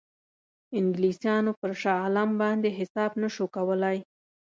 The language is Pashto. انګلیسانو پر شاه عالم باندې حساب نه شو کولای.